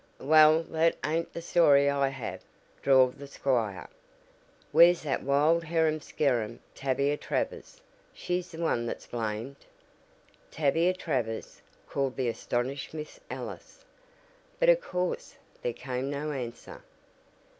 "Well, that ain't the story I have," drawled the squire. "Where's that wild harum scarum Tavia Travers? She's the one that's blamed." "Tavia Travers!" called the astonished Miss Ellis, but of course there came no answer.